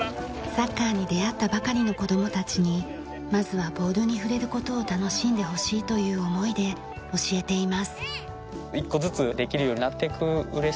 サッカーに出会ったばかりの子供たちにまずはボールに触れる事を楽しんでほしいという思いで教えています。